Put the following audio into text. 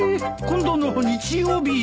今度の日曜日！